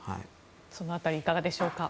その辺りいかがでしょうか。